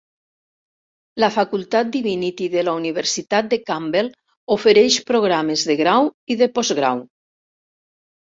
La Facultat Divinity de la Universitat de Campbell ofereix programes de grau i de postgrau.